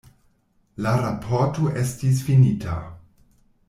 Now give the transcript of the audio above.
La raporto estis finita.